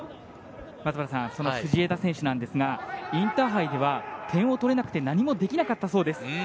藤枝選手なんですがインターハイでは点を取れなくて何もできなかったそうです。